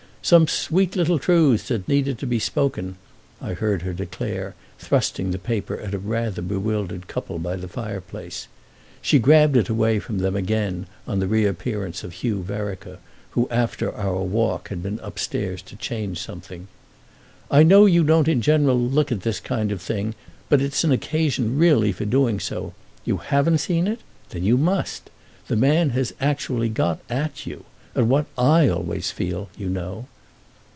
"Some sweet little truths that needed to be spoken," I heard her declare, thrusting the paper at rather a bewildered couple by the fireplace. She grabbed it away from them again on the reappearance of Hugh Vereker, who after our walk had been upstairs to change something. "I know you don't in general look at this kind of thing, but it's an occasion really for doing so. You haven't seen it? Then you must. The man has actually got at you, at what I always feel, you know."